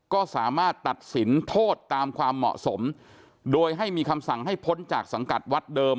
ก็สามารถตัดสินโทษตามความเหมาะสมโดยให้มีคำสั่งให้พ้นจากสังกัดวัดเดิม